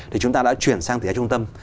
thì chúng ta đã chuyển sang tỷ giá trung tâm